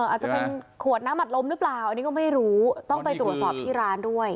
อาจจะเป็นขวดน้ำอัดลมหรือเปล่าอันนี้ก็ไม่รู้ต้องไปตรวจสอบที่ร้านด้วย